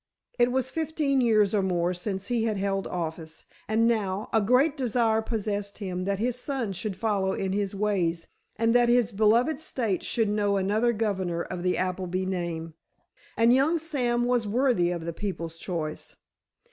It was fifteen years or more since he had held office, and now, a great desire possessed him that his son should follow in his ways, and that his beloved state should know another governor of the Appleby name. And young Sam was worthy of the people's choice.